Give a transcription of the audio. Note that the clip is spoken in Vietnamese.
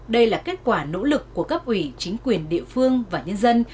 đây là kết quả nỗ lực của cấp ủy chính quyền địa phương và nhân dân